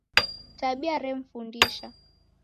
Tabia remfundisha